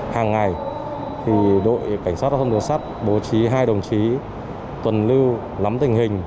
hàng ngày đội cảnh sát giao thông đường sắt bố trí hai đồng chí tuần lưu lắm tình hình